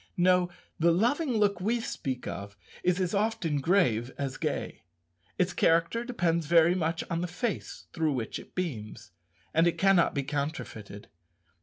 No; the loving look we speak of is as often grave as gay. Its character depends very much on the face through which it beams. And it cannot be counterfeited.